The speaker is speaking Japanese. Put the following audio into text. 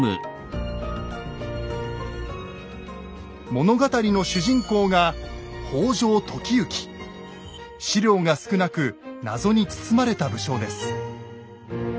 物語の主人公が史料が少なく謎に包まれた武将です。